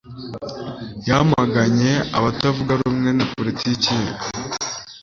Yamaganye abatavuga rumwe na politiki ye